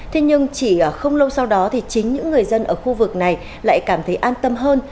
thế nhưng chỉ không lâu sau đó thì chính những người dân ở khu vực này lại cảm thấy an tâm hơn